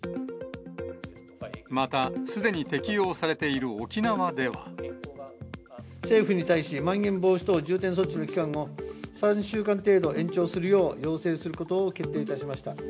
また、すでに適用されている沖縄政府に対し、まん延防止等重点措置の期間を、３週間程度延長するよう要請することを決定いたしました。